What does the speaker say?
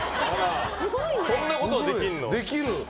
そんなことできるの。